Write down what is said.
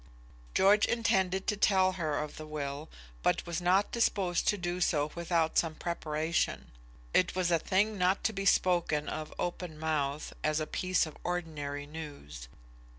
George intended to tell her of the will, but was not disposed to do so without some preparation. It was a thing not to be spoken of open mouthed, as a piece of ordinary news.